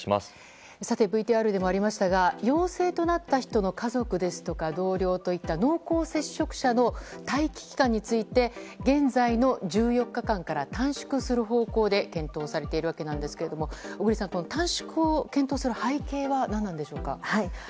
さて、ＶＴＲでもありましたが陽性となった人の家族ですとか同僚といった濃厚接触者の待機期間について現在の１４日間から短縮する方向で検討されているわけなんですが小栗さん、短縮を検討する背景は何なのでしょうか。